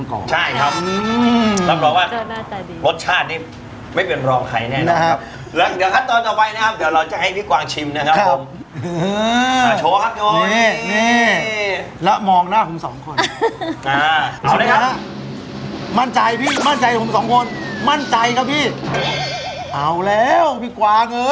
กระเพาะทองแดงนะครับผมนี่คือหน้าตานะครับ